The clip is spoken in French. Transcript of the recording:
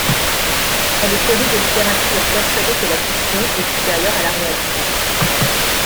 Elle est férue de littérature, persuadée que la fiction est supérieure à la réalité.